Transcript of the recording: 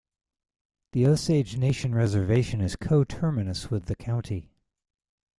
The Osage Nation reservation is co-terminus with the County.